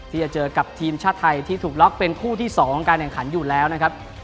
ที่จะเจอกับทีมชาติไทยที่ถูกล็อกเป็นคู่ที่๒การแข่งขันอยู่แล้วนะครับ